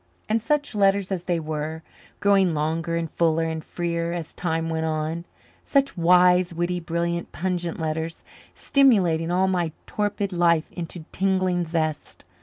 And such letters as they were, growing longer and fuller and freer as time went on such wise, witty, brilliant, pungent letters, stimulating all my torpid life into tingling zest!